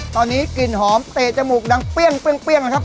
ตอนนี้กลิ่นหอมเตะจมูกดังเปรี้ยงนะครับ